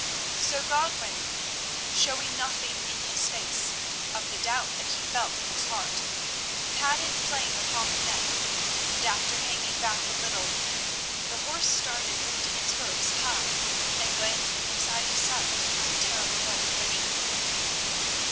So Godwin, showing nothing in his face of the doubt that he felt in his heart, patted Flame upon the neck, and, after hanging back a little, the horse started lifting its hoofs high and glancing from side to side at the terrible gulf beneath.